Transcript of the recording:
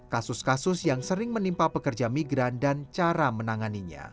kasus kasus yang sering menimpa pekerja migran dan cara menanganinya